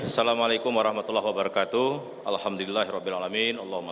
selamat menjalankan ibadah puasa